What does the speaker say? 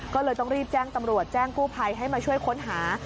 ก็เลยต้องรีบแจ้งตำรวจแจ้งกู้ภัยให้มาช่วยค้นหา